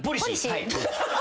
はい。